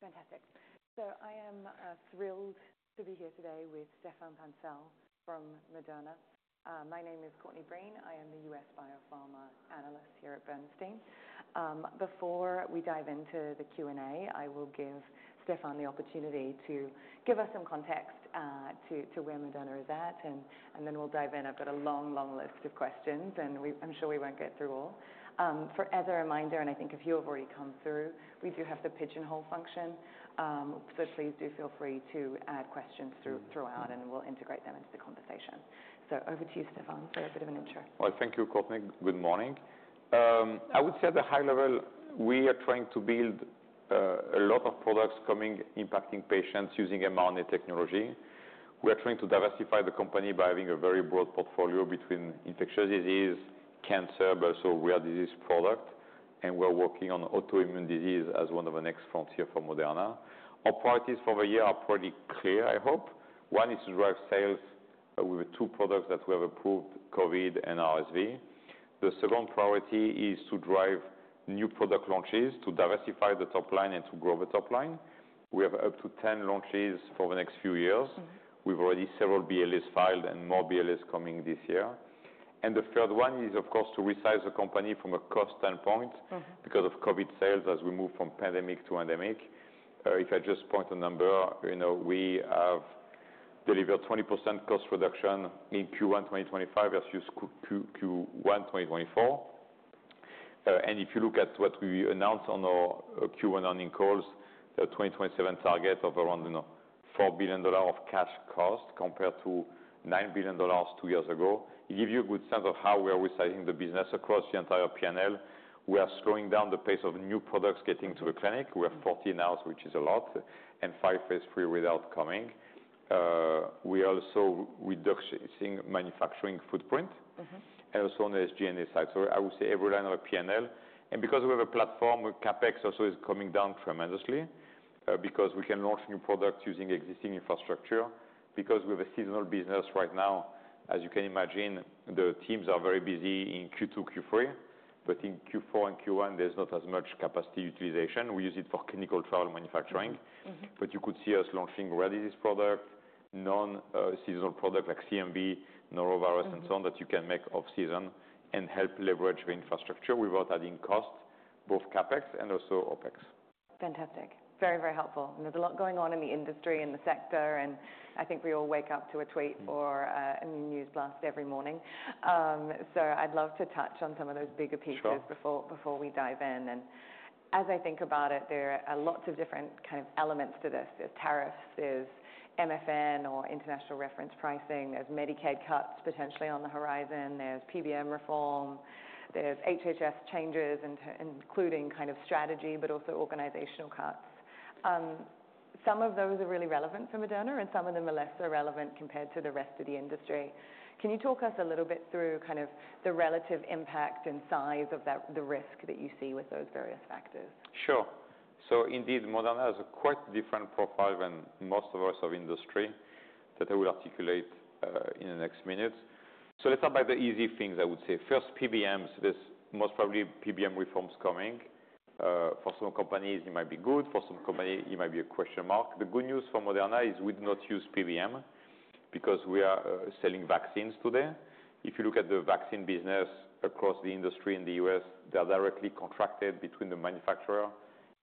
Fantastic. I am thrilled to be here today with Stéphane Bancel from Moderna. My name is Courtney Breen. I am the U.S. Biopharma analyst here at Bernstein. Before we dive into the Q&A, I will give Stéphane the opportunity to give us some context to where Moderna is at, and then we'll dive in. I've got a long, long list of questions, and we, I'm sure we won't get through all. As a reminder, and I think a few have already come through, we do have the pigeonhole function, so please do feel free to add questions throughout, and we'll integrate them into the conversation. Over to you, Stéphane, for a bit of an intro. Thank you, Courtney. Good morning. I would say at a high level, we are trying to build a lot of products coming, impacting patients using mRNA technology. We are trying to diversify the company by having a very broad portfolio between infectious disease, cancer, but also rare disease product. We are working on autoimmune disease as one of the next frontiers for Moderna. Our priorities for the year are pretty clear, I hope. One is to drive sales, with the two products that we have approved, COVID and RSV. The second priority is to drive new product launches, to diversify the top line and to grow the top line. We have up to 10 launches for the next few years. Mm-hmm. We've already several BLAs filed and more BLAs coming this year. The third one is, of course, to resize the company from a cost standpoint. Mm-hmm. Because of COVID sales, as we move from pandemic to endemic. If I just point a number, you know, we have delivered 20% cost reduction in Q1 2025 versus Q1 2024. And if you look at what we announced on our Q1 earning calls, the 2027 target of around, you know, $4 billion of cash cost compared to $9 billion two years ago. It gives you a good sense of how we are resizing the business across the entire P&L. We are slowing down the pace of new products getting to the clinic. We have 40 now, which is a lot, and five phase III without coming. We are also reducing manufacturing footprint. Mm-hmm. Also on the SG&A side. I would say every line of the P&L. Because we have a platform, CapEx also is coming down tremendously, because we can launch new products using existing infrastructure. Because we have a seasonal business right now, as you can imagine, the teams are very busy in Q2, Q. In Q4 and Q1, there's not as much capacity utilization. We use it for clinical trial manufacturing. Mm-hmm. You could see us launching ready-to-use product, non-seasonal product like CMV, Norovirus, and so on that you can make off-season and help leverage the infrastructure without adding cost, both CapEx and also OpEx. Fantastic. Very, very helpful. There is a lot going on in the industry and the sector, and I think we all wake up to a tweet or a news blast every morning. I would love to touch on some of those bigger pieces. Sure. Before we dive in. And as I think about it, there are lots of different kind of elements to this. There are tariffs, there is MFN or International Reference Pricing, there are Medicaid cuts potentially on the horizon, there is PBM reform, there are HHS changes in the including kind of strategy, but also organizational cuts. Some of those are really relevant for Moderna, and some of them are less relevant compared to the rest of the industry. Can you talk us a little bit through kind of the relative impact and size of that, the risk that you see with those various factors? Sure. So indeed, Moderna has a quite different profile than most of us of industry that I will articulate in the next minutes. Let's start by the easy things, I would say. First, PBMs. There's most probably PBM reforms coming. For some companies, it might be good. For some companies, it might be a question mark. The good news for Moderna is we do not use PBM because we are selling vaccines today. If you look at the vaccine business across the industry in the U.S., they're directly contracted between the manufacturer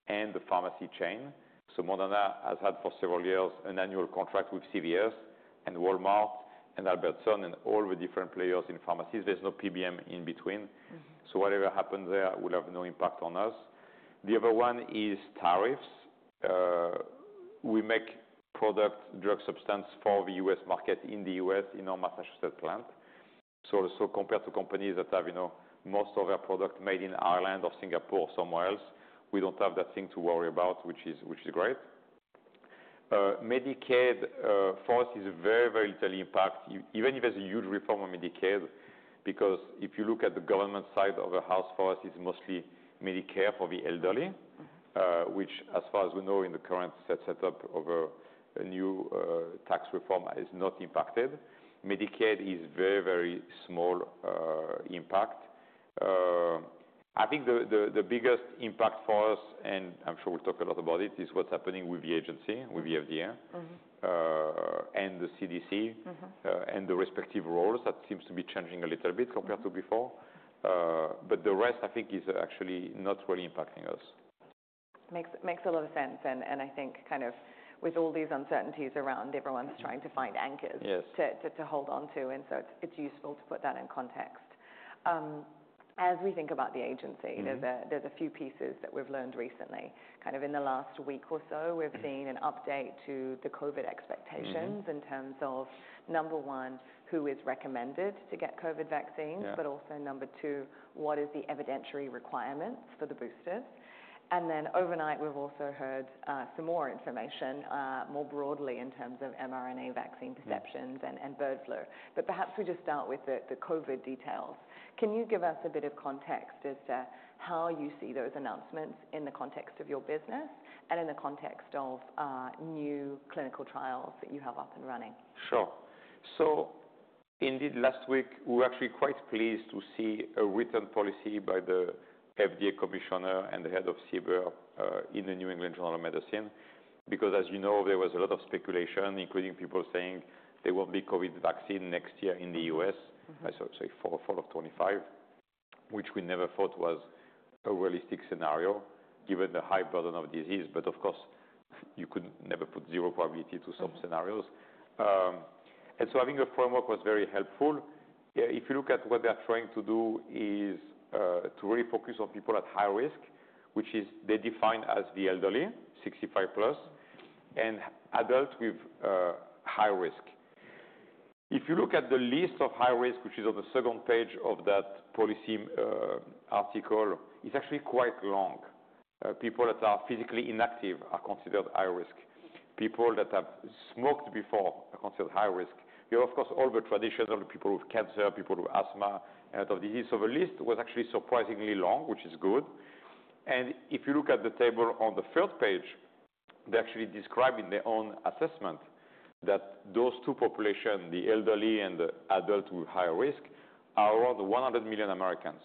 and the pharmacy chain. So, Moderna has had for several years an annual contract with CVS and Walmart and Albertsons and all the different players in pharmacies. There's no PBM in between. Mm-hmm. Whatever happens there will have no impact on us. The other one is tariffs. We make product, drug substance for the U.S. market in the U.S. in our Massachusetts plant. Also, compared to companies that have, you know, most of their product made in Ireland or Singapore or somewhere else, we do not have that thing to worry about, which is great. Medicaid, for us, is very, very little impact, even if there is a huge reform on Medicaid, because if you look at the government side of the house, for us it is mostly Medicare for the elderly. Mm-hmm. which as far as we know in the current setup of a new tax reform is not impacted. Medicaid is very, very small impact. I think the biggest impact for us, and I'm sure we'll talk a lot about it, is what's happening with the agency, with the FDA. Mm-hmm. and the CDC. Mm-hmm. and the respective roles that seems to be changing a little bit compared to before. The rest I think is actually not really impacting us. Makes a lot of sense. I think kind of with all these uncertainties around, everyone's trying to find anchors. Yes. To hold onto. It's useful to put that in context as we think about the agency. Mm-hmm. There's a few pieces that we've learned recently. Kind of in the last week or so, we've seen an update to the COVID expectations. Mm-hmm. In terms of, number one, who is recommended to get COVID vaccines. Yes. Also, number two, what is the evidentiary requirements for the boosters? Overnight, we've also heard some more information, more broadly in terms of mRNA vaccine perceptions and bird flu. Perhaps we just start with the COVID details. Can you give us a bit of context as to how you see those announcements in the context of your business and in the context of new clinical trials that you have up and running? Sure. So indeed, last week, we were actually quite pleased to see a written policy by the FDA Commissioner and the head of CBER, in the New England Journal of Medicine. Because as you know, there was a lot of speculation, including people saying there won't be COVID vaccine next year in the U.S.. Mm-hmm. I saw, say, for fall of 2025, which we never thought was a realistic scenario given the high burden of disease. Of course, you could never put zero probability to some scenarios. Mm-hmm. And so having a framework was very helpful. If you look at what they're trying to do is, to really focus on people at high risk, which is they define as the elderly, 65+, and adults with high risk. If you look at the list of high risk, which is on the second page of that policy article, it's actually quite long. People that are physically inactive are considered high risk. People that have smoked before are considered high risk. You have, of course, all the traditional people with cancer, people with asthma, and a lot of disease. The list was actually surprisingly long, which is good. If you look at the table on the third page, they're actually describing their own assessment that those two populations, the elderly and the adults with high risk, are around 100 million Americans.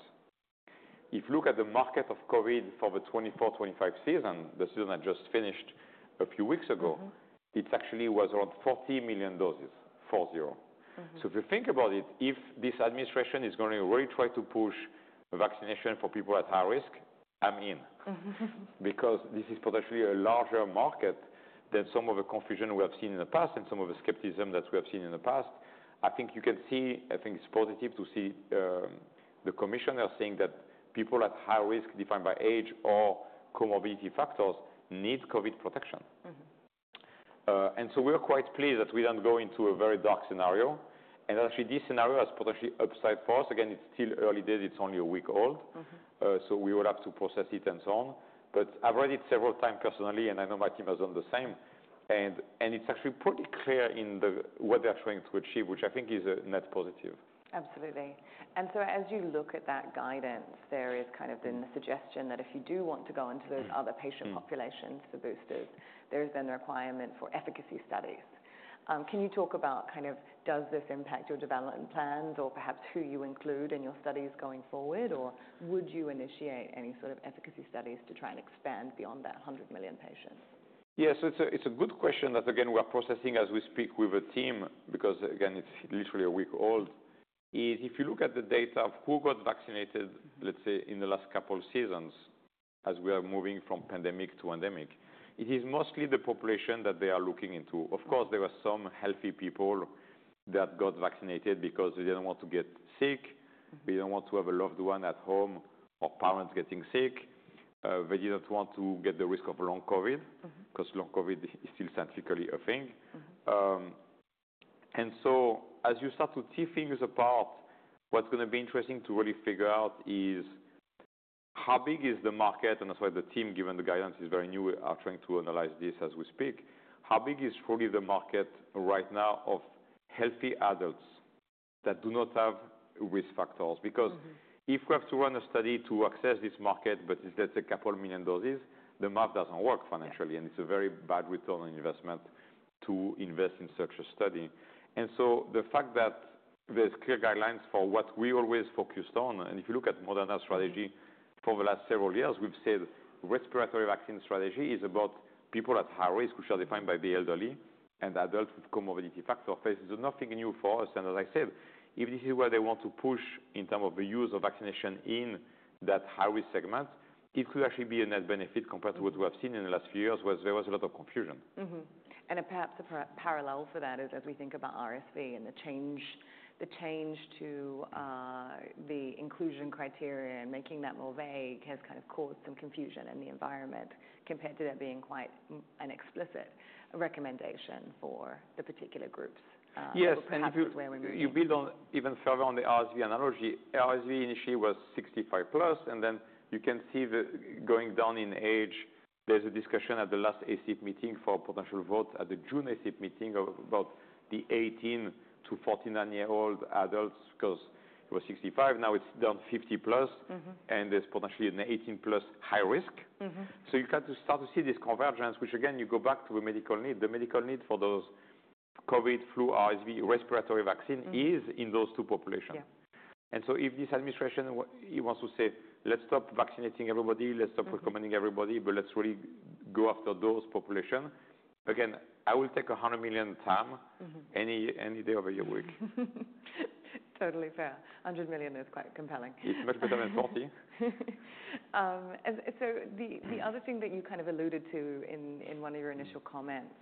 If you look at the market of COVID for the 2024, 2025 season, the season that just finished a few weeks ago. Mm-hmm. It actually was around 40 million doses, four-zero. Mm-hmm. If you think about it, if this administration is going to really try to push vaccination for people at high risk, I'm in. Mm-hmm. Because this is potentially a larger market than some of the confusion we have seen in the past and some of the skepticism that we have seen in the past. I think you can see, I think it's positive to see, the commissioner saying that people at high risk defined by age or comorbidity factors need COVID protection. Mm-hmm. We are quite pleased that we don't go into a very dark scenario. Actually, this scenario has potentially upside for us. Again, it's still early days. It's only a week old. Mm-hmm. We will have to process it and so on. I have read it several times personally, and I know my team has done the same. It is actually pretty clear in what they are trying to achieve, which I think is a net positive. Absolutely. As you look at that guidance, there is kind of then the suggestion that if you do want to go into those other patient populations for boosters, there is then the requirement for efficacy studies. Can you talk about kind of does this impact your development plans or perhaps who you include in your studies going forward, or would you initiate any sort of efficacy studies to try and expand beyond that 100 million patients? Yeah. It's a good question that, again, we are processing as we speak with the team because, again, it's literally a week old. If you look at the data of who got vaccinated, let's say, in the last couple of seasons as we are moving from pandemic to endemic, it is mostly the population that they are looking into. Of course, there are some healthy people that got vaccinated because they didn't want to get sick. Mm-hmm. They didn't want to have a loved one at home or parents getting sick. They didn't want to get the risk of long COVID. Mm-hmm. Because long COVID is still scientifically a thing. Mm-hmm. As you start to tee things apart, what's going to be interesting to really figure out is how big is the market. That's why the team, given the guidance, is very new. We are trying to analyze this as we speak. How big is truly the market right now of healthy adults that do not have risk factors? Because. Mm-hmm. If we have to run a study to access this market, but it's just a couple million doses, the math doesn't work financially. It's a very bad return on investment to invest in such a study. The fact that there's clear guidelines for what we always focused on, and if you look at Moderna's strategy for the last several years, we've said respiratory vaccine strategy is about people at high risk, which are defined by the elderly and adults with comorbidity factor. This is nothing new for us. As I said, if this is where they want to push in terms of the use of vaccination in that high-risk segment, it could actually be a net benefit compared to what we have seen in the last few years where there was a lot of confusion. Mm-hmm. Perhaps a parallel for that is as we think about RSV and the change, the change to the inclusion criteria and making that more vague has kind of caused some confusion in the environment compared to there being quite an explicit recommendation for the particular groups. Perhaps where we need to. Yes. If you build on even further on the RSV analogy, RSV initially was 65+, and then you can see the going down in age. There's a discussion at the last ACIP meeting for potential vote at the June ACIP meeting of about the 18-49-year-old adults because it was 65. Now it's down 50+. Mm-hmm. There's potentially an 18+ high risk. Mm-hmm. You kind of start to see this convergence, which again, you go back to the medical need. The medical need for those COVID, flu, RSV, respiratory vaccine is in those two populations. Yeah. If this administration wants to say, "Let's stop vaccinating everybody. Let's stop recommending everybody, but let's really go after those populations," again, I will take 100 million times Mm-hmm. Any day of your week. Totally fair. $100 million is quite compelling. It's much better than 40. The other thing that you kind of alluded to in one of your initial comments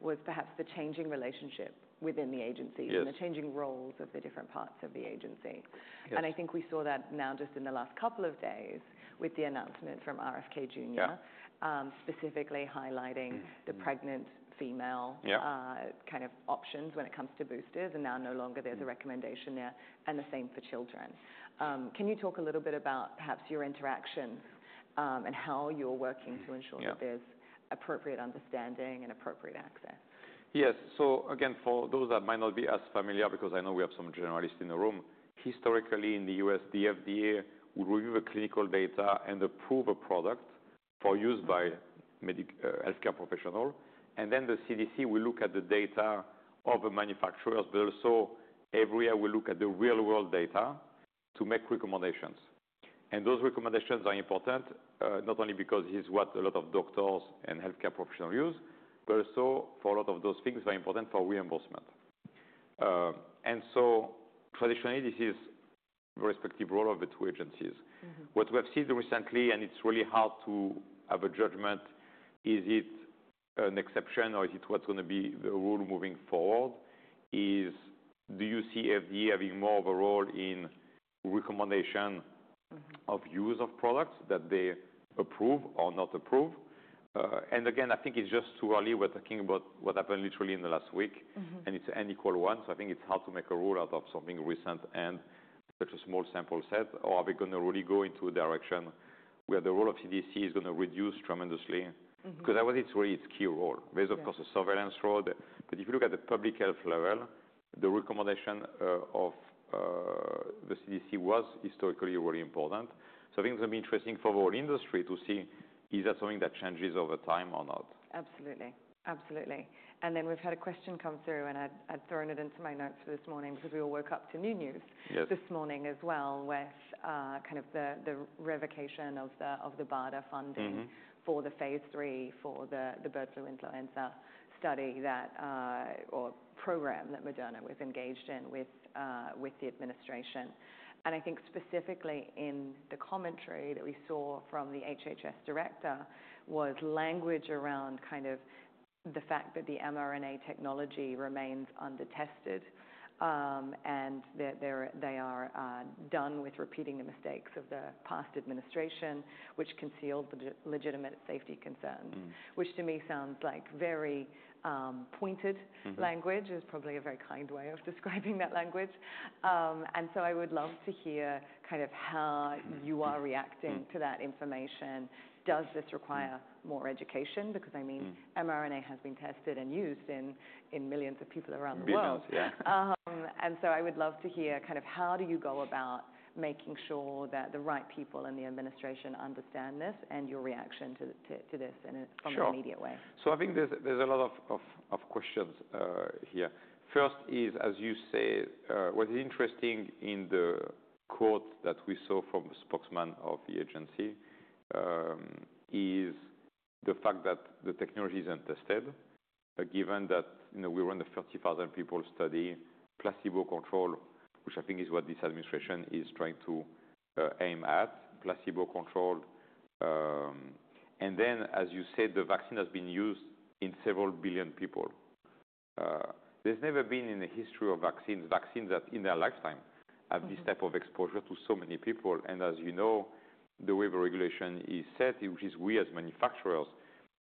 was perhaps the changing relationship within the agency. Yes. The changing roles of the different parts of the agency. Yes. I think we saw that now just in the last couple of days with the announcement from RFK Jr. Yeah. specifically highlighting the pregnant female. Yeah. kind of options when it comes to boosters, and now no longer there's a recommendation there, and the same for children. Can you talk a little bit about perhaps your interactions, and how you're working to ensure that there's Yeah. Appropriate understanding and appropriate access. Yes. Again, for those that might not be as familiar, because I know we have some generalists in the room, historically in the U.S., the FDA will review the clinical data and approve a product for use by a healthcare professional. The CDC will look at the data of the manufacturers, but also every year we look at the real-world data to make recommendations. Those recommendations are important, not only because it is what a lot of doctors and healthcare professionals use, but also because a lot of those things are important for reimbursement. Traditionally, this is the respective role of the two agencies. Mm-hmm. What we have seen recently, and it's really hard to have a judgment, is it an exception or is it what's going to be the rule moving forward, is do you see FDA having more of a role in recommendation? Mm-hmm. Of use of products that they approve or not approve? Again, I think it's just too early. We're talking about what happened literally in the last week. Mm-hmm. It is an unequal one. I think it is hard to make a rule out of something recent and such a small sample set. Are we going to really go into a direction where the role of CDC is going to reduce tremendously? Mm-hmm. Because that was its really, its key role. There's, of course, a surveillance role. If you look at the public health level, the recommendation of the CDC was historically really important. I think it's going to be interesting for the whole industry to see is that something that changes over time or not. Absolutely. Absolutely. We have had a question come through, and I had thrown it into my notes for this morning because we all woke up to new news. Yes. This morning as well with, kind of the revocation of the BARDA funding. Mm-hmm. For the phase three for the bird flu influenza study, or program, that Moderna was engaged in with the administration. I think specifically in the commentary that we saw from the HHS director was language around kind of the fact that the mRNA technology remains undertested, and that they are done with repeating the mistakes of the past administration, which concealed the legitimate safety concerns. Mm-hmm. Which to me sounds like very, pointed language Mm-hmm. Is probably a very kind way of describing that language. And so I would love to hear kind of how you are reacting to that information. Does this require more education? Because, I mean Mm-hmm. mRNA has been tested and used in millions of people around the world. Millions, yeah. I would love to hear kind of how do you go about making sure that the right people in the administration understand this and your reaction to this in a Sure. From an immediate way. I think there's a lot of questions here. First is, as you say, what is interesting in the quote that we saw from the spokesman of the agency is the fact that the technology isn't tested, given that, you know, we run a 30,000 people study, placebo control, which I think is what this administration is trying to aim at, placebo control. As you said, the vaccine has been used in several billion people. There's never been in the history of vaccines, vaccines that in their lifetime have this type of exposure to so many people. As you know, the way the regulation is set, which is we as manufacturers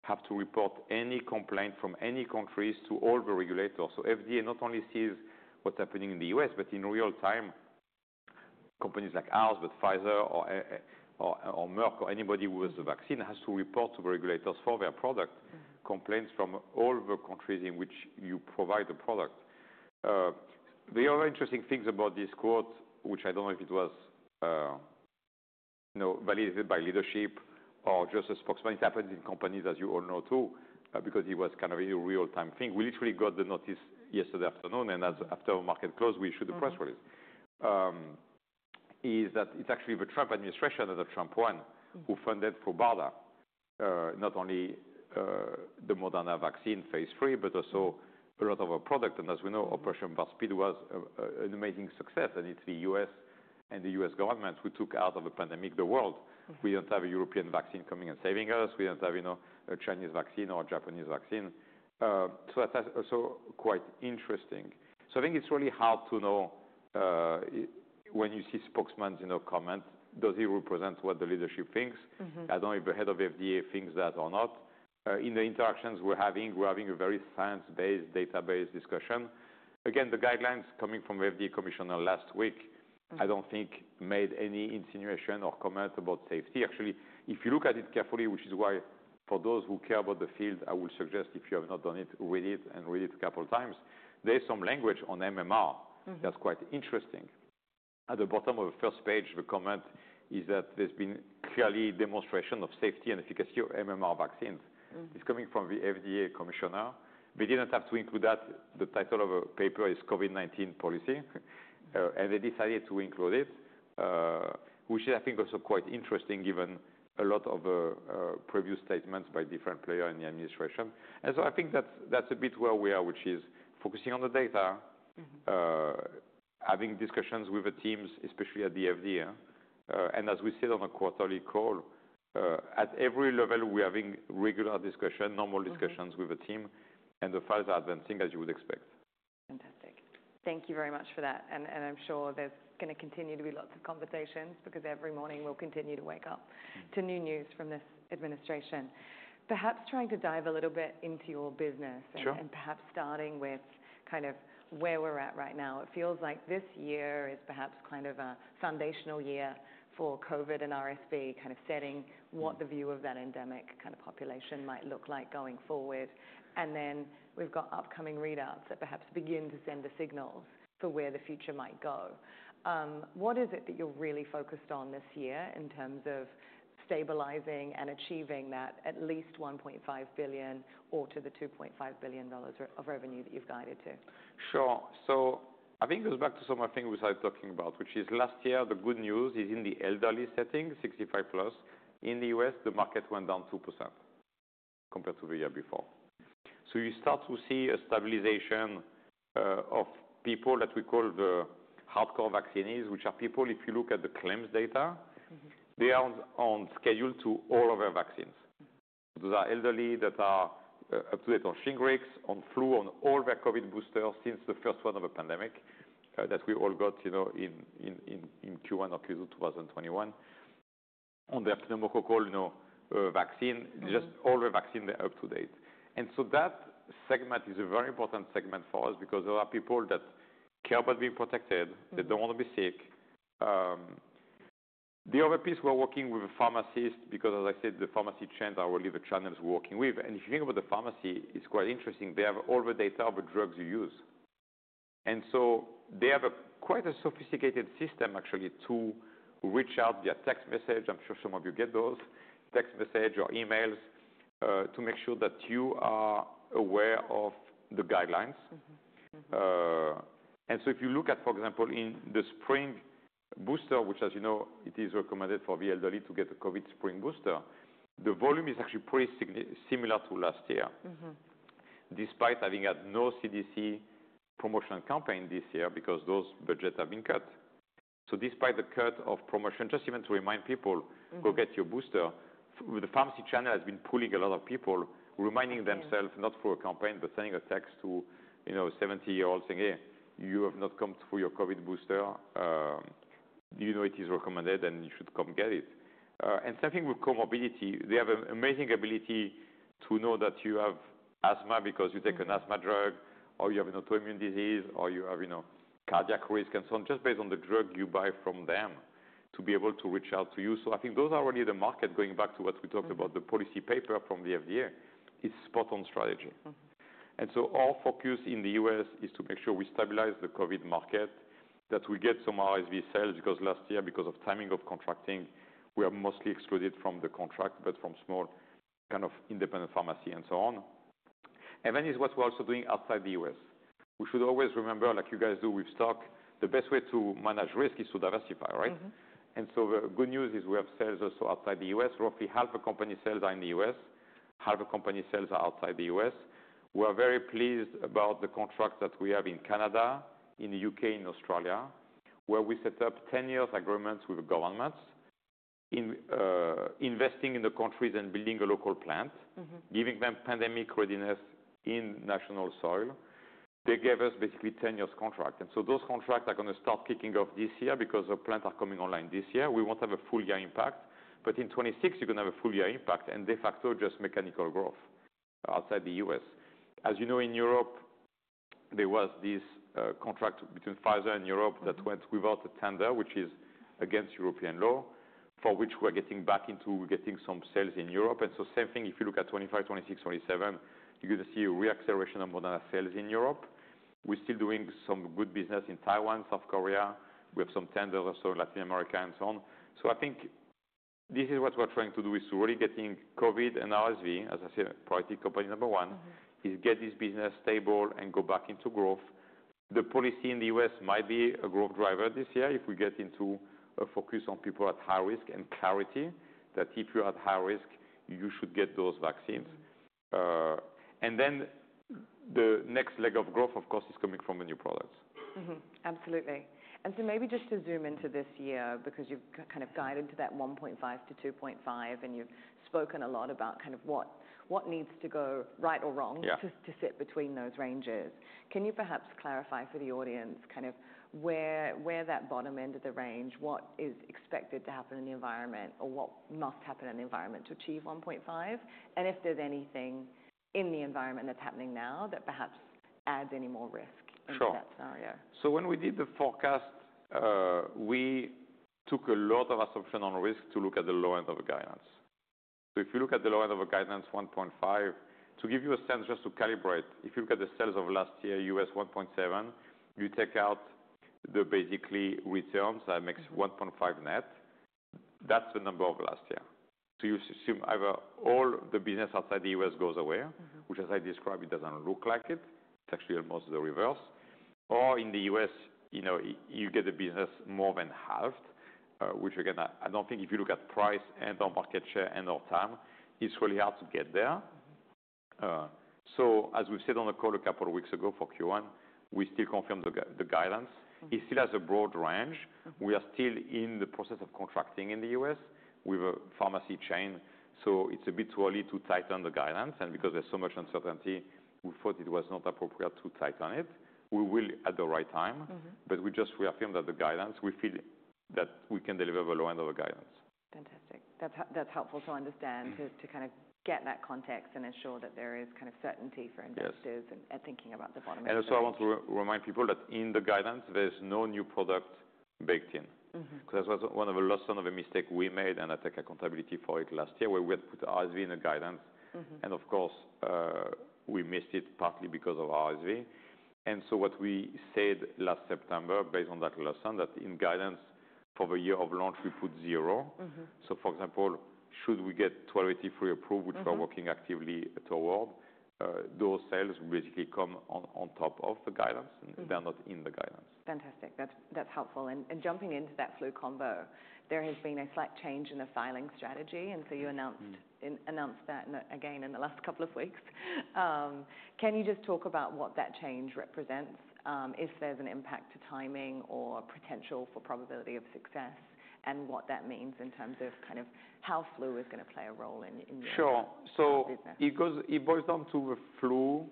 have to report any complaint from any countries to all the regulators. FDA not only sees what's happening in the U.S., but in real time, companies like ours, but Pfizer or Merck or anybody who has the vaccine has to report to the regulators for their product. Mm-hmm. Complaints from all the countries in which you provide the product. The other interesting things about this quote, which I don't know if it was, you know, validated by leadership or just the spokesman, it happens in companies, as you all know too, because it was kind of a real-time thing. We literally got the notice yesterday afternoon, and as after the market closed, we issued the press release, is that it's actually the Trump administration and the Trump one. Mm-hmm. Who funded for BARDA, not only, the Moderna vaccine phase III, but also a lot of our product. As we know, Operation Varspeed was an amazing success. It is the U.S. and the U.S. government who took out of the pandemic the world. Mm-hmm. We don't have a European vaccine coming and saving us. We don't have, you know, a Chinese vaccine or a Japanese vaccine. That's also quite interesting. I think it's really hard to know, when you see spokesman's, you know, comment, does it represent what the leadership thinks? Mm-hmm. I don't know if the head of FDA thinks that or not. In the interactions we're having, we're having a very science-based, data-based discussion. Again, the guidelines coming from the FDA commissioner last week. Mm-hmm. I don't think made any insinuation or comment about safety. Actually, if you look at it carefully, which is why for those who care about the field, I will suggest if you have not done it, read it and read it a couple of times. There's some language on MMR. Mm-hmm. That's quite interesting. At the bottom of the first page, the comment is that there's been clearly demonstration of safety and efficacy of MMR vaccines. Mm-hmm. It's coming from the FDA commissioner. They didn't have to include that. The title of a paper is COVID-19 policy, and they decided to include it, which is, I think, also quite interesting given a lot of previous statements by different players in the administration. I think that's a bit where we are, which is focusing on the data. Mm-hmm. Having discussions with the teams, especially at the FDA. As we said on the quarterly call, at every level, we're having regular discussion, normal discussions with the team, and the files are advancing as you would expect. Fantastic. Thank you very much for that. I'm sure there's going to continue to be lots of conversations because every morning we'll continue to wake up to new news from this administration. Perhaps trying to dive a little bit into your business. Sure. Perhaps starting with kind of where we're at right now. It feels like this year is perhaps kind of a foundational year for COVID and RSV, kind of setting what the view of that endemic kind of population might look like going forward. Then we've got upcoming readouts that perhaps begin to send the signals for where the future might go. What is it that you're really focused on this year in terms of stabilizing and achieving that at least $1.5 billion or to the $2.5 billion of revenue that you've guided to? Sure. I think it goes back to some of the things we started talking about, which is last year, the good news is in the elderly setting, 65+. In the U.S., the market went down 2% compared to the year before. You start to see a stabilization of people that we call the hardcore vaccinees, which are people, if you look at the claims data. Mm-hmm. They are on schedule to all of our vaccines. Mm-hmm. Those are elderly that are up to date on Shingrix, on flu, on all their COVID boosters since the first one of the pandemic, that we all got, you know, in Q1 or Q2 2021. On the epidemic call, you know, vaccine, just all the vaccine, they're up to date. That segment is a very important segment for us because there are people that care about being protected. Mm-hmm. They don't want to be sick. The other piece, we're working with a pharmacist because, as I said, the pharmacy chains are really the channels we're working with. If you think about the pharmacy, it's quite interesting. They have all the data of the drugs you use. They have quite a sophisticated system, actually, to reach out via text message. I'm sure some of you get those text messages or emails, to make sure that you are aware of the guidelines. Mm-hmm. Mm-hmm. and so if you look at, for example, in the spring booster, which, as you know, it is recommended for the elderly to get the COVID spring booster, the volume is actually pretty similar to last year. Mm-hmm. Despite having had no CDC promotional campaign this year because those budgets have been cut. Despite the cut of promotion, just even to remind people. Mm-hmm. Go get your booster, the pharmacy channel has been pulling a lot of people, reminding themselves, not for a campaign, but sending a text to, you know, 70-year-olds saying, "Hey, you have not come through your COVID booster. You know it is recommended, and you should come get it." Same thing with comorbidity. They have an amazing ability to know that you have asthma because you take an asthma drug, or you have an autoimmune disease, or you have, you know, cardiac risk and so on, just based on the drug you buy from them to be able to reach out to you. I think those are already the market going back to what we talked about, the policy paper from the FDA. It's spot-on strategy. Mm-hmm. Our focus in the U.S. is to make sure we stabilize the COVID market, that we get some RSV sales because last year, because of timing of contracting, we were mostly excluded from the contract, but from small kind of independent pharmacy and so on. That is what we're also doing outside the U.S.. We should always remember, like you guys do with stock, the best way to manage risk is to diversify, right? Mm-hmm. The good news is we have sales also outside the U.S.. Roughly half the company sales are in the U.S., half the company sales are outside the U.S.. We're very pleased about the contract that we have in Canada, in the U.K., in Australia, where we set up 10-year agreements with governments in, investing in the countries and building a local plant. Mm-hmm. Giving them pandemic readiness in national soil. They gave us basically a 10-year contract. Those contracts are going to start kicking off this year because the plants are coming online this year. We will not have a full-year impact, but in 2026, you are going to have a full-year impact and de facto just mechanical growth outside the U.S.. As you know, in Europe, there was this contract between Pfizer and Europe that went without a tender, which is against European law, for which we are getting back into getting some sales in Europe. Same thing, if you look at 2025, 2026, 2027, you are going to see a reacceleration of Moderna sales in Europe. We are still doing some good business in Taiwan, South Korea. We have some tenders also in Latin America and so on. I think this is what we're trying to do, is to really get in COVID and RSV, as I said, priority company number one. Mm-hmm. Is get this business stable and go back into growth. The policy in the U.S. might be a growth driver this year if we get into a focus on people at high risk and clarity that if you're at high risk, you should get those vaccines. The next leg of growth, of course, is coming from the new products. Mm-hmm. Absolutely. Maybe just to zoom into this year because you've kind of guided to that $1.5 billion-$2.5 billion, and you've spoken a lot about kind of what needs to go right or wrong. Yeah. To sit between those ranges. Can you perhaps clarify for the audience kind of where that bottom end of the range, what is expected to happen in the environment or what must happen in the environment to achieve 1.5? And if there's anything in the environment that's happening now that perhaps adds any more risk. Sure. Into that scenario. When we did the forecast, we took a lot of assumption on risk to look at the low end of the guidance. If you look at the low end of the guidance, $1.5 billion, to give you a sense, just to calibrate, if you look at the sales of last year, U.S. $1.7 billion, you take out the basically returns that makes $1.5 billion net. That's the number of last year. You assume either all the business outside the U.S. goes away. Mm-hmm. Which, as I described, it doesn't look like it. It's actually almost the reverse. Or in the U.S., you know, you get the business more than halved, which again, I don't think if you look at price and/or market share and/or time, it's really hard to get there. Mm-hmm. So as we said on the call a couple of weeks ago for Q1, we still confirmed the guidance. Mm-hmm. It still has a broad range. Mm-hmm. We are still in the process of contracting in the U.S. with a pharmacy chain. It is a bit too early to tighten the guidance. Because there is so much uncertainty, we thought it was not appropriate to tighten it. We will at the right time. Mm-hmm. We just reaffirm that the guidance, we feel that we can deliver the low end of the guidance. Fantastic. That's helpful to understand. Mm-hmm. To kind of get that context and ensure that there is kind of certainty for investors. Yes. And thinking about the bottom end of the guidance. I want to re-remind people that in the guidance, there's no new product baked in. Mm-hmm. Because that was one of the lessons of a mistake we made, and I take accountability for it last year where we had put RSV in the guidance. Mm-hmm. Of course, we missed it partly because of RSV. What we said last September, based on that lesson, is that in guidance for the year of launch, we put zero. Mm-hmm. For example, should we get 1283 approved, which we're. Mm-hmm. Working actively toward, those sales basically come on, on top of the guidance Mm-hmm. They're not in the guidance. Fantastic. That's helpful. And jumping into that flu combo, there has been a slight change in the filing strategy. And so you announced Mm-hmm. In-announced that in a again in the last couple of weeks. Can you just talk about what that change represents, if there's an impact to timing or potential for probability of success and what that means in terms of kind of how flu is going to play a role in, in your Sure. So. Business. It goes, it boils down to the flu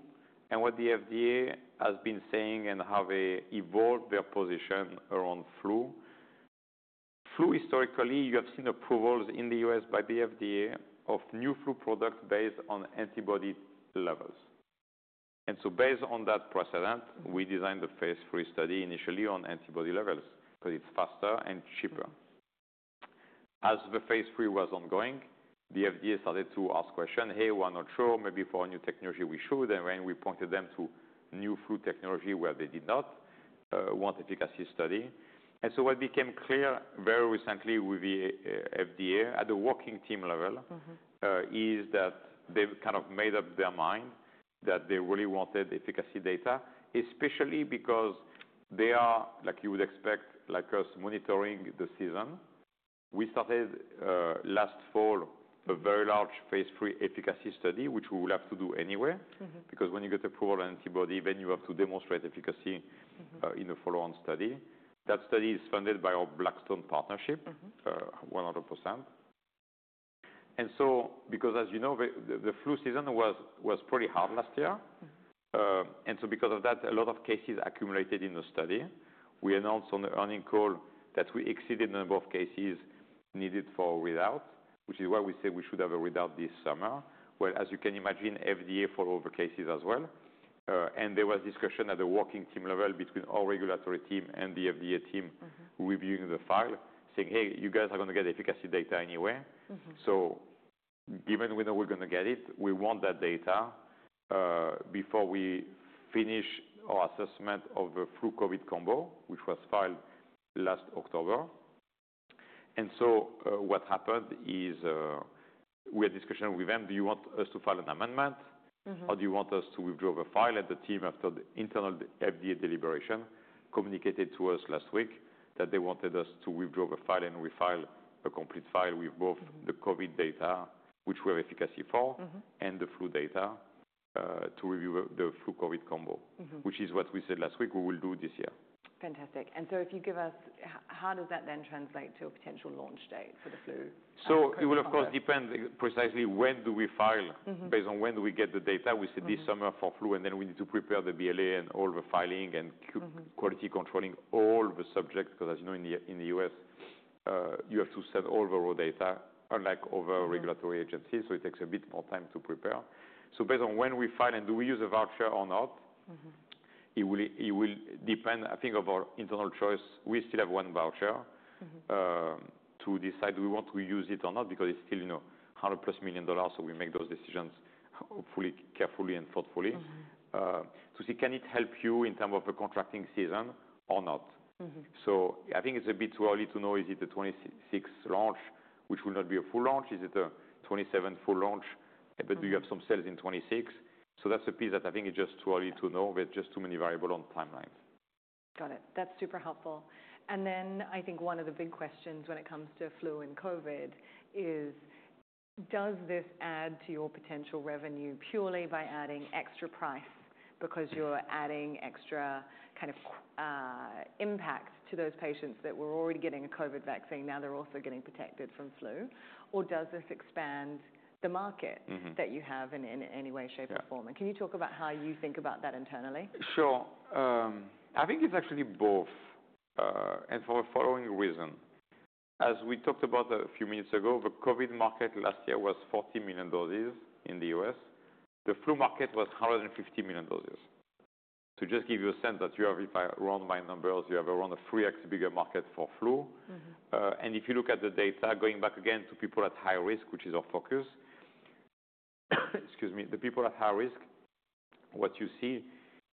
and what the FDA has been saying and how they evolved their position around flu. Flu, historically, you have seen approvals in the U.S. by the FDA of new flu products based on antibody levels. And so based on that precedent, we designed the phase study initially on antibody levels because it's faster and cheaper. As the phase III was ongoing, the FDA started to ask questions, "Hey, we're not sure. Maybe for a new technology, we should." And then we pointed them to new flu technology where they did not want efficacy study. What became clear very recently with the FDA at the working team level. Mm-hmm. is that they've kind of made up their mind that they really wanted efficacy data, especially because they are, like you would expect, like us, monitoring the season. We started, last fall, a very large phase III efficacy study, which we will have to do anyway. Mm-hmm. Because when you get approval on antibody, then you have to demonstrate efficacy Mm-hmm. in the follow-on study. That study is funded by our Blackstone partnership. Mm-hmm. 100%. Because, as you know, the flu season was pretty hard last year. Mm-hmm. and so because of that, a lot of cases accumulated in the study. We announced on the earnings call that we exceeded the number of cases needed for readout, which is why we said we should have a readout this summer. As you can imagine, FDA followed the cases as well. There was discussion at the working team level between our regulatory team and the FDA team. Mm-hmm. Reviewing the file, saying, "Hey, you guys are going to get efficacy data anyway. Mm-hmm. Given we know we're going to get it, we want that data before we finish our assessment of the flu COVID combo, which was filed last October. What happened is, we had discussion with them, "Do you want us to file an amendment? Mm-hmm. Do you want us to withdraw the file? The team, after the internal FDA deliberation, communicated to us last week that they wanted us to withdraw the file, and we filed a complete file with both the COVID data, which we have efficacy for Mm-hmm. The flu data, to review the flu COVID combo. Mm-hmm. Which is what we said last week we will do this year. Fantastic. If you give us, how, how does that then translate to a potential launch date for the flu? It will, of course, depend precisely when do we file. Mm-hmm. Based on when do we get the data? We said this summer for flu, and then we need to prepare the BLA and all the filing. Mm-hmm. Quality controlling all the subjects because, as you know, in the U.S, you have to send all the raw data, unlike other regulatory agencies. It takes a bit more time to prepare. Based on when we file and do we use a voucher or not. Mm-hmm. It will depend, I think, of our internal choice. We still have one voucher. Mm-hmm. to decide do we want to use it or not because it's still, you know, $100 million+. So we make those decisions hopefully carefully and thoughtfully. Mm-hmm. to see can it help you in terms of the contracting season or not. Mm-hmm. I think it's a bit too early to know, is it the 2026 launch, which will not be a full launch? Is it a 2027 full launch? Do you have some sales in 2026? That's a piece that I think is just too early to know. There are just too many variables on timelines. Got it. That's super helpful. I think one of the big questions when it comes to flu and COVID is, does this add to your potential revenue purely by adding extra price because you're adding extra kind of impact to those patients that were already getting a COVID vaccine, now they're also getting protected from flu? Or does this expand the market. Mm-hmm. That you have in any way, shape, or form? Yeah. Can you talk about how you think about that internally? Sure. I think it's actually both, and for the following reason. As we talked about a few minutes ago, the COVID market last year was 40 million doses in the U.S.. The flu market was 150 million doses. To just give you a sense that you have, if I round my numbers, you have around a 3X bigger market for flu. Mm-hmm. If you look at the data going back again to people at high risk, which is our focus, excuse me, the people at high risk, what you see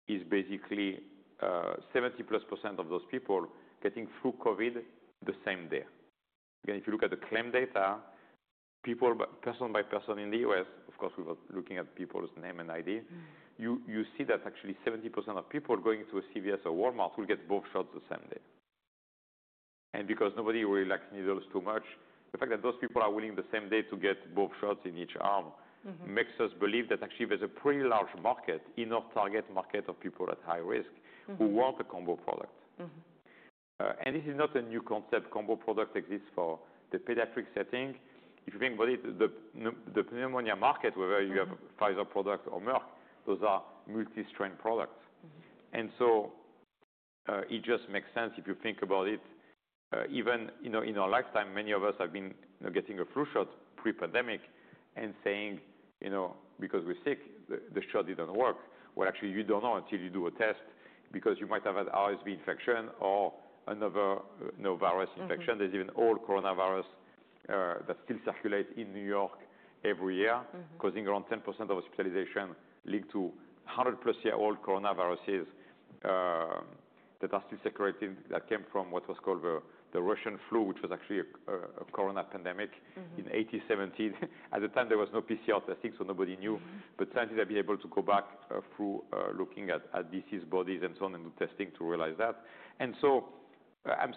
is basically 70%+ of those people getting flu COVID the same day. Again, if you look at the claim data, people by person by person in the U.S., of course, we're looking at people's name and ID. Mm-hmm. You see that actually 70% of people going to a CVS or Walmart will get both shots the same day. Because nobody really likes needles too much, the fact that those people are willing the same day to get both shots in each arm. Mm-hmm. Makes us believe that actually there's a pretty large market, inner target market of people at high risk Mm-hmm. Who want a combo product. Mm-hmm. This is not a new concept. Combo product exists for the pediatric setting. If you think about it, the pneumonia market, whether you have Pfizer product or Merck, those are multi-strain products. Mm-hmm. It just makes sense if you think about it. Even, you know, in our lifetime, many of us have been, you know, getting a flu shot pre-pandemic and saying, you know, because we're sick, the shot didn't work. Actually, you don't know until you do a test because you might have had RSV infection or another, you know, virus infection. Mm-hmm. There's even old coronavirus that still circulates in New York every year. Mm-hmm. Causing around 10% of hospitalization linked to 100+ year-old coronaviruses, that are still circulating that came from what was called the Russian flu, which was actually a corona pandemic Mm-hmm. In 1870. At the time, there was no PCR testing, so nobody knew. Mm-hmm. Scientists have been able to go back, through looking at deceased bodies and so on and do testing to realize that. I'm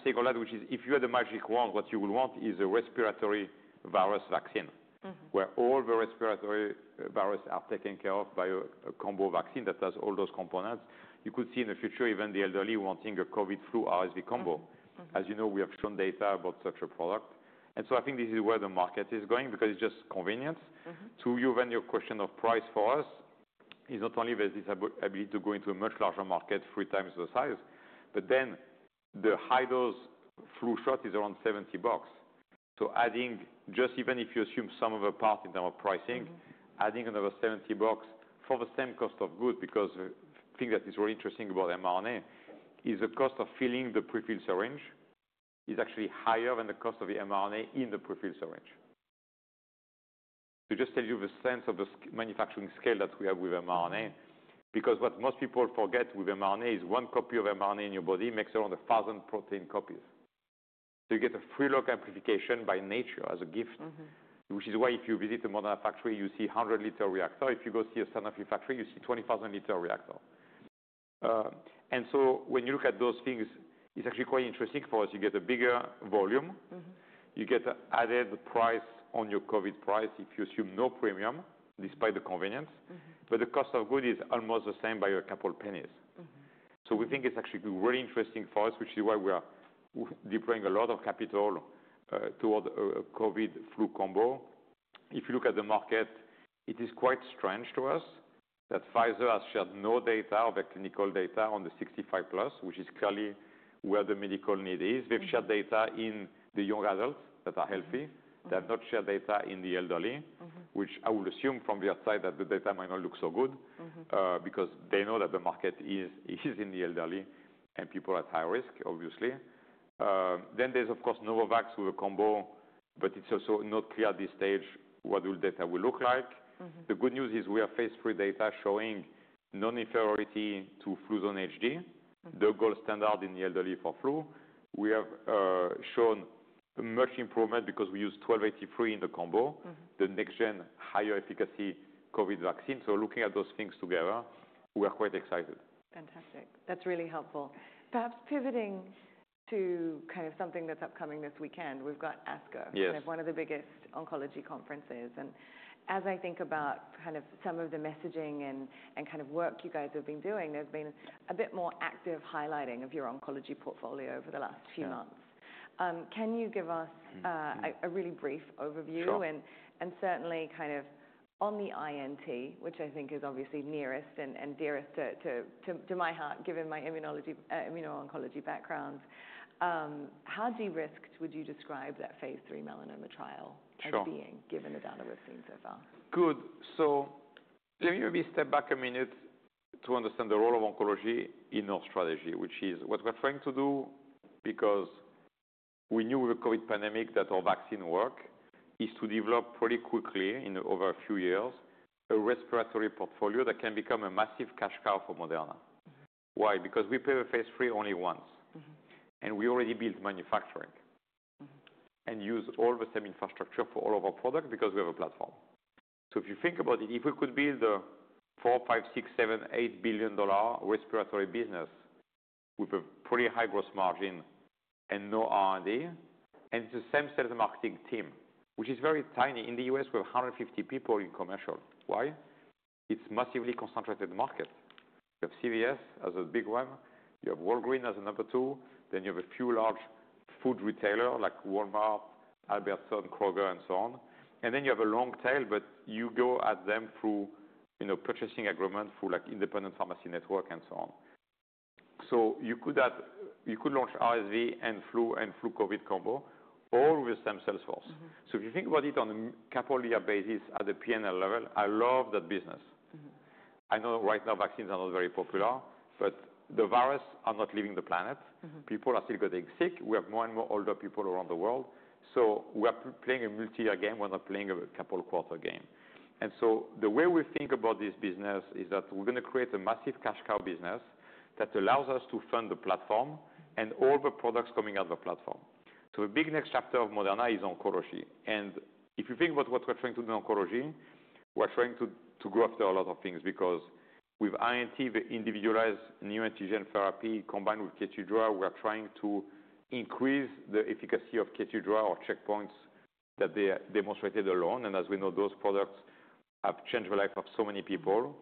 saying all that, which is if you had a magic wand, what you would want is a respiratory virus vaccine. Mm-hmm. Where all the respiratory viruses are taken care of by a combo vaccine that has all those components. You could see in the future even the elderly wanting a COVID flu RSV combo. Mm-hmm. As you know, we have shown data about such a product. I think this is where the market is going because it's just convenience. Mm-hmm. To you, then your question of price for us is not only there's this ability to go into a much larger market, three times the size, but then the high-dose flu shot is around $70. Adding just even if you assume some of a part in terms of pricing. Mm-hmm. Adding another $70 for the same cost of good because the thing that is really interesting about mRNA is the cost of filling the prefilled syringe is actually higher than the cost of the mRNA in the prefilled syringe. To just tell you the sense of the manufacturing scale that we have with mRNA because what most people forget with mRNA is one copy of mRNA in your body makes around 1,000 protein copies. You get a free-load amplification by nature as a gift. Mm-hmm. Which is why if you visit a Moderna factory, you see 100-liter reactor. If you go see a Sanofi factory, you see 20,000 L reactor. And so, when you look at those things, it's actually quite interesting for us. You get a bigger volume. Mm-hmm. You get added the price on your COVID price if you assume no premium despite the convenience. Mm-hmm. The cost of good is almost the same by a couple of pennies. Mm-hmm. We think it's actually really interesting for us, which is why we are deploying a lot of capital toward a COVID flu combo. If you look at the market, it is quite strange to us that Pfizer has shared no data of their clinical data on the 65+, which is clearly where the medical need is. Mm-hmm. They've shared data in the young adults that are healthy. Mm-hmm. They have not shared data in the elderly Mm-hmm. Which I would assume from their side that the data might not look so good. Mm-hmm. because they know that the market is in the elderly and people at high risk, obviously. Then there's, of course, Novavax with a combo, but it's also not clear at this stage what the data will look like. Mm-hmm. The good news is we have phase III data showing non-inferiority to FluZone HD. Mm-hmm. The gold standard in the elderly for flu. We have shown a much improvement because we use 1283 in the combo. Mm-hmm. The next-gen higher efficacy COVID vaccine. Looking at those things together, we are quite excited. Fantastic. That's really helpful. Perhaps pivoting to kind of something that's upcoming this weekend, we've got ASCO. Yes. Kind of one of the biggest oncology conferences. As I think about kind of some of the messaging and kind of work you guys have been doing, there's been a bit more active highlighting of your oncology portfolio over the last few months. Yeah. Can you give us a really brief overview? Sure. Certainly, kind of on the INT, which I think is obviously nearest and dearest to my heart given my immunology, immuno-oncology background, how de-risked would you describe that phase III melanoma trial as being? Sure. Given the data we've seen so far? Good. Let me maybe step back a minute to understand the role of oncology in our strategy, which is what we're trying to do because we knew with the COVID pandemic that our vaccine work is to develop pretty quickly in over a few years a respiratory portfolio that can become a massive cash cow for Moderna. Mm-hmm. Why? Because we pay for phase III only once. Mm-hmm. We already built manufacturing. Mm-hmm. We use all the same infrastructure for all of our products because we have a platform. If you think about it, if we could build a $4 billion-$8 billion respiratory business with a pretty high gross margin and no R&D and the same sales and marketing team, which is very tiny. In the U.S., we have 150 people in commercial. Why? It's a massively concentrated market. You have CVS as a big one. You have Walgreens as a number two. Then you have a few large food retailers like Walmart, Albertsons, Kroger, and so on. You have a long tail, but you go at them through, you know, purchasing agreements for, like, independent pharmacy network and so on. You could launch RSV and flu and flu COVID combo all with the same sales force. Mm-hmm. If you think about it on a couple-year basis at the P&L level, I love that business. Mm-hmm. I know right now vaccines are not very popular, but the virus are not leaving the planet. Mm-hmm. People are still getting sick. We have more and more older people around the world. We are playing a multi-year game. We're not playing a couple-quarter game. The way we think about this business is that we're going to create a massive cash cow business that allows us to fund the platform and all the products coming out of the platform. The big next chapter of Moderna is oncology. If you think about what we're trying to do in oncology, we're trying to go after a lot of things because with INT, the individualized neoantigen therapy combined with Keytruda, we are trying to increase the efficacy of Keytruda or checkpoints that they demonstrated alone. As we know, those products have changed the life of so many people.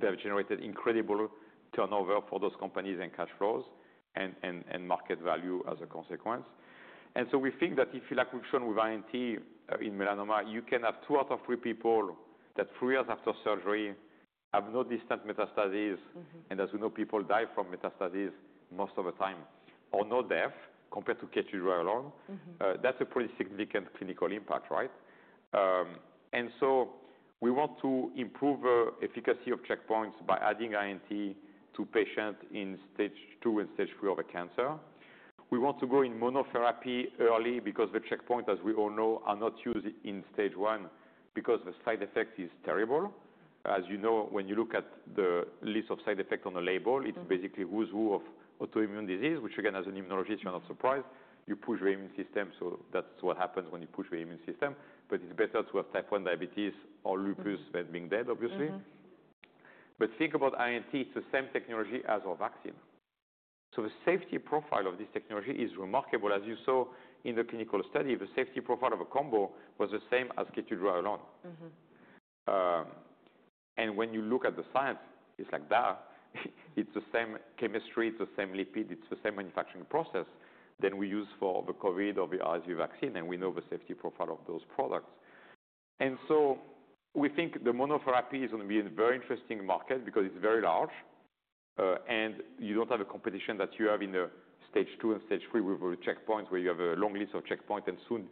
They have generated incredible turnover for those companies and cash flows and market value as a consequence. We think that if you like, we have shown with INT in melanoma, you can have two out of three people that three years after surgery have no distant metastases. Mm-hmm. As we know, people die from metastases most of the time or no death compared to Keytruda alone. Mm-hmm. That's a pretty significant clinical impact, right? And so, we want to improve the efficacy of checkpoints by adding INT to patients in stage two and stage three of a cancer. We want to go in monotherapy early because the checkpoints, as we all know, are not used in stage one because the side effect is terrible. As you know, when you look at the list of side effects on the label, it's basically who's who of autoimmune disease, which again, as an immunologist, you're not surprised. You push your immune system, so that's what happens when you push your immune system. But it's better to have type 1 diabetes or lupus than being dead, obviously. Mm-hmm. Think about INT. It's the same technology as our vaccine. So, the safety profile of this technology is remarkable. As you saw in the clinical study, the safety profile of a combo was the same as Keytruda alone. Mm-hmm. When you look at the science, it's like that. It's the same chemistry. It's the same lipid. It's the same manufacturing process that we use for the COVID or the RSV vaccine. We know the safety profile of those products. We think the monotherapy is going to be a very interesting market because it's very large, and you don't have the competition that you have in the stage two and stage three with the checkpoints, where you have a long list of checkpoints and soon,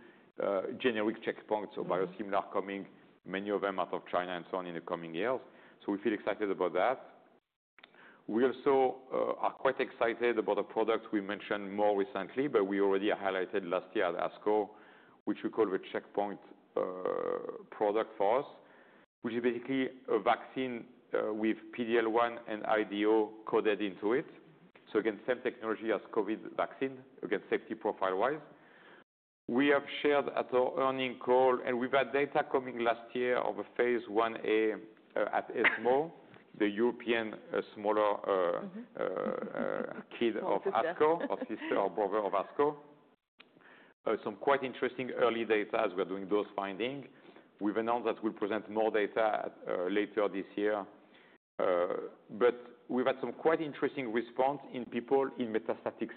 generic checkpoints or biosimilar coming, many of them out of China and so on in the coming years. We feel excited about that. We also are quite excited about a product we mentioned more recently, but we already highlighted last year at ASCO, which we call the checkpoint product for us, which is basically a vaccine with PD-L1 and IDO coded into it. Again, same technology as COVID vaccine, again, safety profile-wise. We have shared at our earnings call, and we've had data coming last year of a phase Ia at ESMO, the European, smaller, kind of ASCO. ASCO. Or sister or brother of ASCO. Some quite interesting early data as we're doing those findings. We've announced that we'll present more data later this year. We've had some quite interesting response in people in metastatic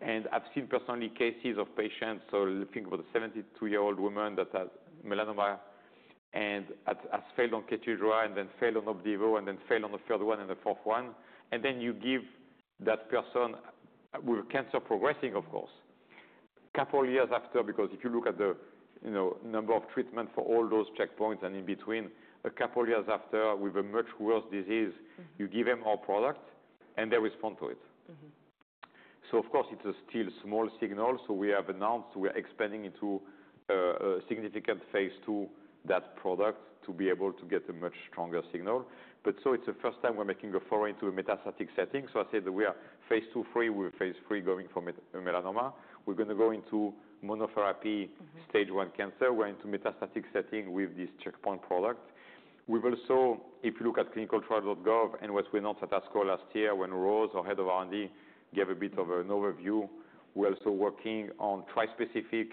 setting. I've seen personally cases of patients. Think about a 72-year-old woman that has melanoma and has, has failed on Keytruda and then failed on Opdivo and then failed on the third one and the fourth one. You give that person with cancer progressing, of course, a couple of years after because if you look at the, you know, number of treatments for all those checkpoints and in between, a couple of years after with a much worse disease, you give them our product and they respond to it. Mm-hmm. Of course, it's still a small signal. We have announced we are expanding into a significant phase 2 of that product to be able to get a much stronger signal. It's the first time we're making a foray into a metastatic setting. I said that we are phase II/III, with phase III going for melanoma. We're going to go into monotherapy. Mm-hmm. Stage one cancer. We're into metastatic setting with this checkpoint product. We've also, if you look at clinicaltrials.gov and what we announced at ASCO last year when Rose, our Head of R&D, gave a bit of an overview, we're also working on trispecific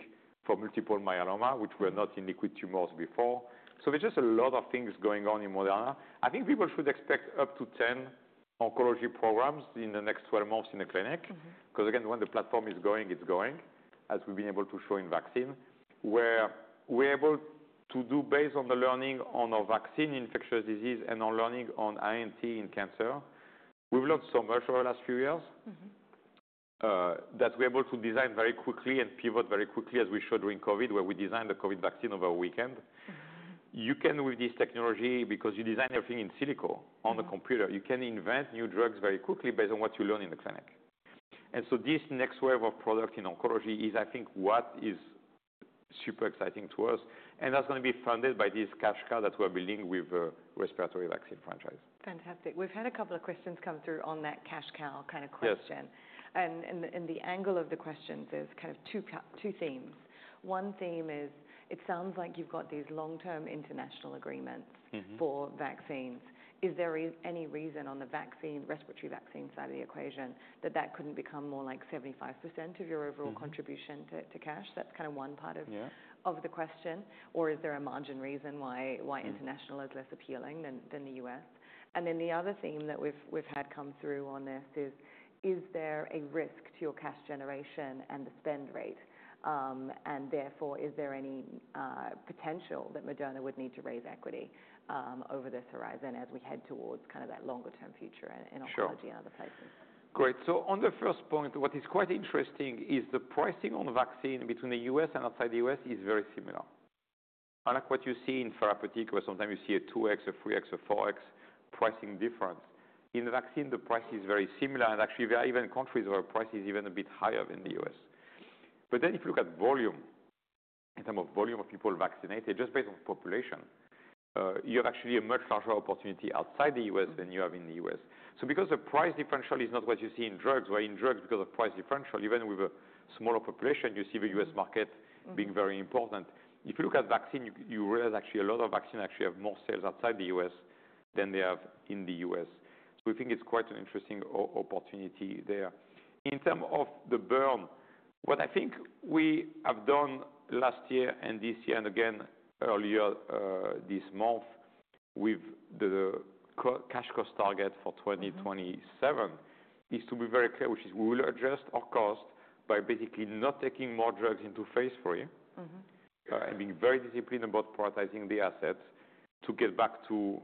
for multiple myeloma, which were not in liquid tumors before. There is just a lot of things going on in Moderna. I think people should expect up to 10 oncology programs in the next 12 months in the clinic. Mm-hmm. Because again, when the platform is going, it's going, as we've been able to show in vaccine, where we're able to do based on the learning on our vaccine in infectious disease and our learning on INT in cancer. We've learned so much over the last few years. Mm-hmm. that we're able to design very quickly and pivot very quickly as we showed during COVID where we designed the COVID vaccine over a weekend. Mm-hmm. You can, with this technology, because you design everything in silico on the computer, you can invent new drugs very quickly based on what you learn in the clinic. This next wave of product in oncology is, I think, what is super exciting to us. That is going to be funded by this cash cow that we are building with the respiratory vaccine franchise. Fantastic. We've had a couple of questions come through on that cash cow kind of question. Yes. The angle of the questions is kind of two themes. One theme is it sounds like you've got these long-term international agreements. Mm-hmm. For vaccines. Is there any reason on the vaccine, respiratory vaccine side of the equation that that couldn't become more like 75% of your overall contribution to, to cash? That's kind of one part of. Yeah. Of the question. Is there a margin reason why international is less appealing than the U.S.? The other theme that we've had come through on this is, is there a risk to your cash generation and the spend rate, and therefore, is there any potential that Moderna would need to raise equity over this horizon as we head towards kind of that longer-term future in oncology and other places? Sure. Great. On the first point, what is quite interesting is the pricing on vaccine between the U.S. and outside the U.S. is very similar. Unlike what you see in therapeutic, where sometimes you see a 2X, a 3X, a 4X pricing difference. In the vaccine, the price is very similar. Actually, there are even countries where price is even a bit higher than the U.S.. If you look at volume, in terms of volume of people vaccinated, just based on population, you have actually a much larger opportunity outside the U.S. than you have in the U.S.. Because the price differential is not what you see in drugs, where in drugs, because of price differential, even with a smaller population, you see the U.S. market being very important. If you look at vaccine, you realize actually a lot of vaccine actually have more sales outside the U.S. than they have in the U.S.. We think it's quite an interesting opportunity there. In terms of the burn, what I think we have done last year and this year and again earlier this month with the cash cost target for 2027 is to be very clear, which is we will adjust our cost by basically not taking more drugs into phase III. Mm-hmm. and being very disciplined about prioritizing the assets to get back to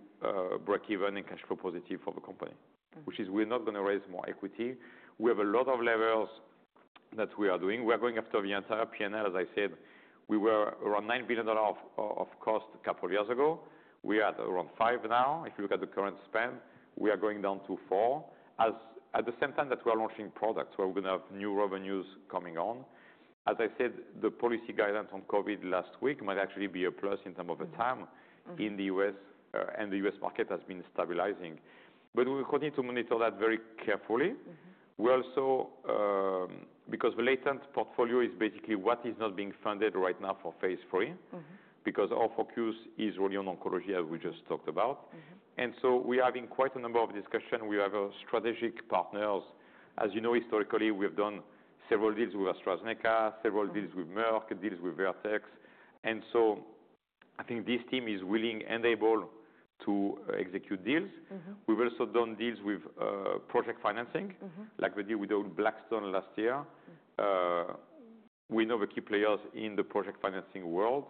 break-even and cash flow positive for the company. Mm-hmm. Which is we're not going to raise more equity. We have a lot of levers that we are doing. We are going after the entire P&L. As I said, we were around $9 billion of cost a couple of years ago. We are at around $5 billion now. If you look at the current spend, we are going down to $4 billion at the same time that we are launching products where we're going to have new revenues coming on. As I said, the policy guidance on COVID last week might actually be a plus in terms of the time. Mm-hmm. In the U.S., and the U.S. market has been stabilizing. We continue to monitor that very carefully. Mm-hmm. We also, because the latent portfolio is basically what is not being funded right now for phase III. Mm-hmm. Because our focus is really on oncology, as we just talked about. Mm-hmm. We are having quite a number of discussions. We have strategic partners. As you know, historically, we've done several deals with AstraZeneca, several deals with Merck, deals with Vertex. I think this team is willing and able to execute deals. Mm-hmm. We've also done deals with project financing. Mm-hmm. Like we did with Blackstone last year. Mm-hmm. We know the key players in the project financing world.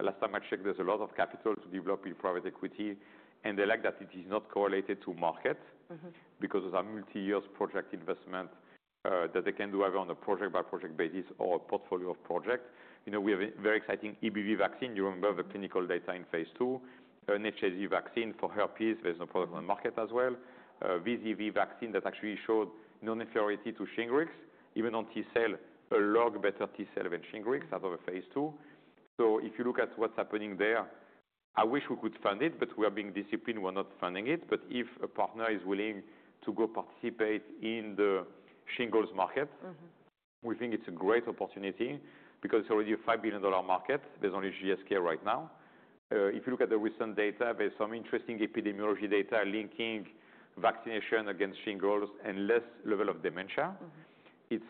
Last time I checked, there's a lot of capital to develop with private equity. They like that it is not correlated to market. Mm-hmm. Because it's a multi-year project investment, that they can do either on a project-by-project basis or a portfolio of projects. You know, we have a very exciting EBV vaccine. You remember the clinical data in phase II, an HSV vaccine for herpes. There's no product on the market as well. VZV vaccine that actually showed non-inferiority to Shingrix, even on T cell, a lot better T cell than Shingrix out of a phase two. If you look at what's happening there, I wish we could fund it, but we are being disciplined. We're not funding it. If a partner is willing to go participate in the shingles market. Mm-hmm. We think it's a great opportunity because it's already a $5 billion market. There's only GSK right now. If you look at the recent data, there's some interesting epidemiology data linking vaccination against shingles and less level of dementia. Mm-hmm. It's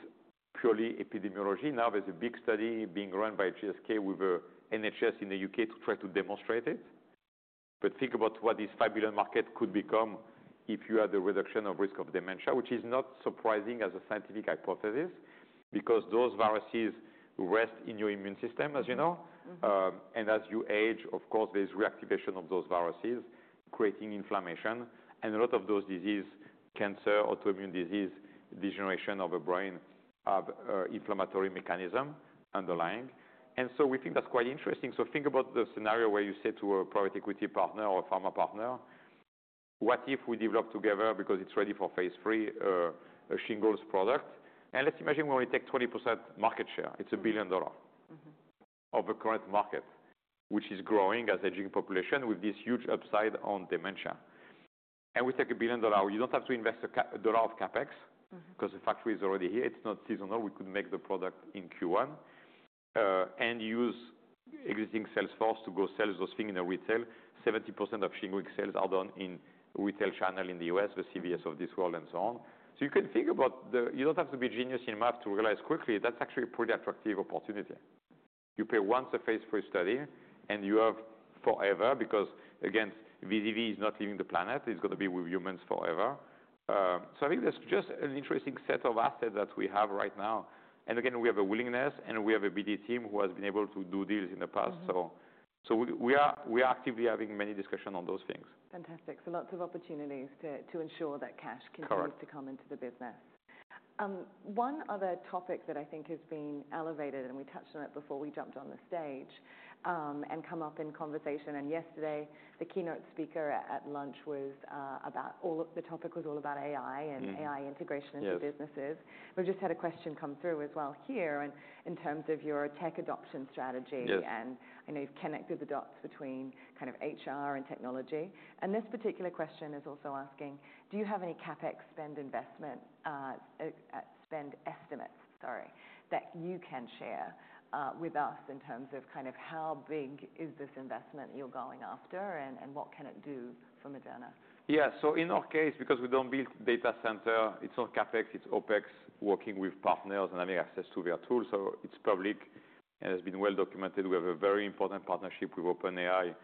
purely epidemiology. Now there's a big study being run by GSK with the NHS in the U.K. to try to demonstrate it. Think about what this $5 billion market could become if you had the reduction of risk of dementia, which is not surprising as a scientific hypothesis because those viruses rest in your immune system, as you know. Mm-hmm. As you age, of course, there's reactivation of those viruses creating inflammation. A lot of those diseases, cancer, autoimmune disease, degeneration of the brain, have inflammatory mechanism underlying. We think that's quite interesting. Think about the scenario where you say to a private equity partner or a pharma partner, "What if we develop together because it's ready for phase III, a shingles product?" Let's imagine we only take 20% market share. It's $1 billion. Mm-hmm. Of the current market, which is growing as aging population with this huge upside on dementia. We take a billion dollars. You do not have to invest a dollar of CapEx. Mm-hmm. Because the factory is already here. It's not seasonal. We could make the product in Q1, and use existing sales force to go sell those things in retail. 70% of Shingrix sales are done in the retail channel in the U.S., the CVS of this world, and so on. You can think about the you do not have to be a genius in math to realize quickly that's actually a pretty attractive opportunity. You pay once a phase III study, and you have forever because, again, VZV is not leaving the planet. It's going to be with humans forever. I think there's just an interesting set of assets that we have right now. Again, we have a willingness, and we have a BD team who has been able to do deals in the past. We are actively having many discussions on those things. Fantastic. Lots of opportunities to ensure that cash continues. Correct. To come into the business. One other topic that I think has been elevated, and we touched on it before we jumped on the stage, has come up in conversation. Yesterday, the keynote speaker at lunch was, the topic was all about AI and AI integration. Yes. Into businesses. We've just had a question come through as well here in terms of your tech adoption strategy. Yes. I know you've connected the dots between kind of HR and technology. This particular question is also asking, do you have any CapEx spend investment, spend estimates, sorry, that you can share with us in terms of kind of how big is this investment you're going after and what can it do for Moderna? Yeah. In our case, because we do not build data centers, it is not CapEx. It is OpEx working with partners and having access to their tools. It is public, and it has been well documented. We have a very important partnership with OpenAI,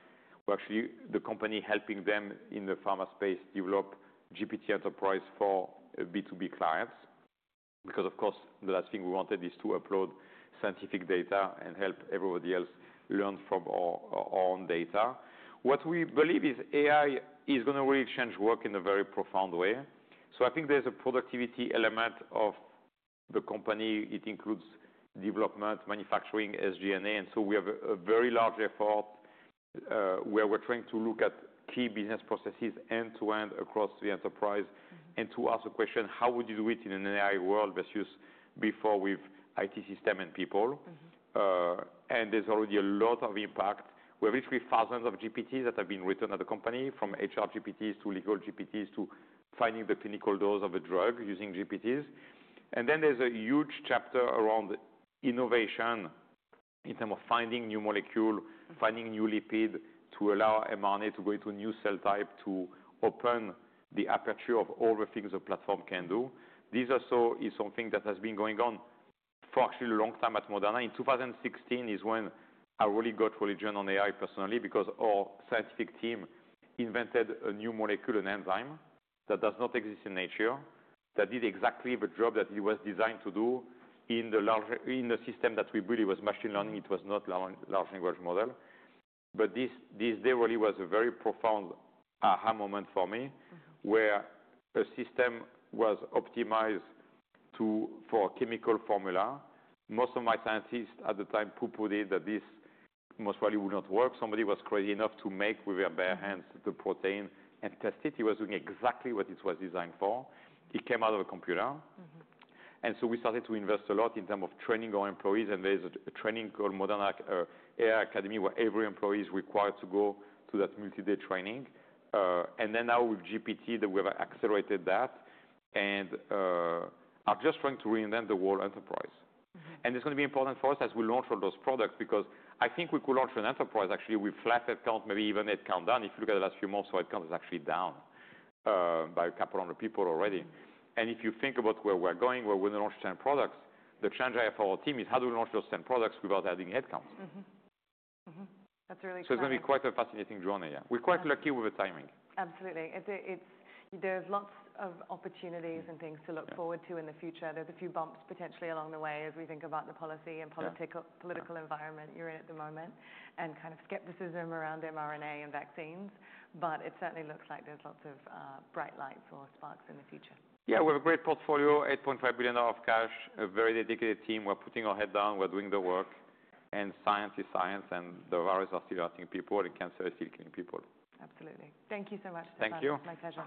where actually the company is helping them in the pharma space develop GPT enterprise for B2B clients. Because, of course, the last thing we wanted is to upload scientific data and help everybody else learn from our own data. What we believe is AI is going to really change work in a very profound way. I think there is a productivity element of the company. It includes development, manufacturing, SG&A. We have a very large effort, where we're trying to look at key business processes end-to-end across the enterprise and to ask the question, how would you do it in an AI world versus before with IT system and people? Mm-hmm. there's already a lot of impact. We have literally thousands of GPTs that have been written at the company from HR GPTs to legal GPTs to finding the clinical dose of a drug using GPTs. There's a huge chapter around innovation in terms of finding new molecules, finding new lipid to allow mRNA to go into a new cell type to open the aperture of all the things the platform can do. This also is something that has been going on for actually a long time at Moderna. In 2016 is when I really got religion on AI personally because our scientific team invented a new molecule, an enzyme that does not exist in nature, that did exactly the job that it was designed to do in the large in the system that we believe was machine learning. It was not large language model. This day really was a very profound aha moment for me. Mm-hmm. Where a system was optimized to for a chemical formula. Most of my scientists at the time pooh-poohed it that this most probably would not work. Somebody was crazy enough to make with their bare hands the protein and test it. He was doing exactly what it was designed for. It came out of a computer. Mm-hmm. We started to invest a lot in terms of training our employees. There is a training called Moderna AI Academy, where every employee is required to go to that multi-day training. And then now with GPT, we have accelerated that. I am just trying to reinvent the whole enterprise. Mm-hmm. It is going to be important for us as we launch all those products because I think we could launch an enterprise actually with flat headcount, maybe even headcount down. If you look at the last few months, our headcount is actually down, by a couple of hundred people already. If you think about where we are going, where we are going to launch 10 products, the challenge I have for our team is how do we launch those 10 products without adding headcount? Mm-hmm. Mm-hmm. That's really exciting. It's going to be quite a fascinating journey. Yeah. We're quite lucky with the timing. Absolutely. There's lots of opportunities and things to look forward to in the future. There's a few bumps potentially along the way as we think about the policy and political. Mm-hmm. Political environment you're in at the moment and kind of skepticism around mRNA and vaccines. It certainly looks like there's lots of bright lights or sparks in the future. Yeah. We have a great portfolio, $8.5 billion of cash, a very dedicated team. We're putting our head down. We're doing the work. Science is science, and the virus are still hurting people, and cancer is still killing people. Absolutely. Thank you so much for that. Thank you. It's my pleasure.